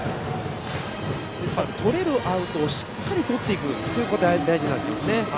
とれるアウトをしっかりとっていくのが大事になってきます。